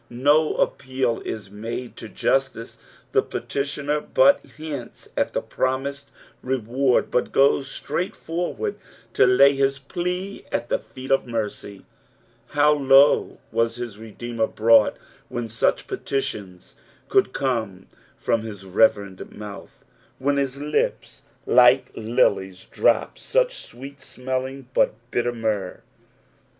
No appeal is made to justice ; the petitioner but hints at the promised reward, but goes straight forward to lay his plea at the feet of merc^. How low was our Redeemer brought when such petitions could come from bis reverend mouth, when his lips 286 EXFOsmoKS of the psalus. like lilies dropped surh sweet Hmelllng but bitter myrrh !